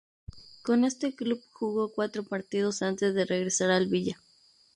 Con este club jugó cuatro partidos antes de regresar al Villa.